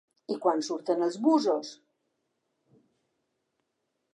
I quan surten els busos?